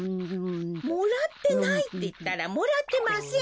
・もらってないっていったらもらってません！